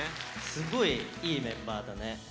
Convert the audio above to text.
すごいいいメンバーだね。